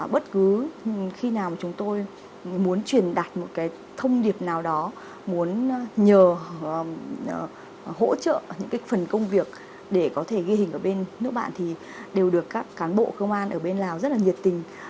bất cứ khi nào chúng tôi muốn truyền đặt một cái thông điệp nào đó muốn nhờ hỗ trợ những cái phần công việc để có thể ghi hình ở bên nước bạn thì đều được các cán bộ công an ở bên lào rất là nhiệt tình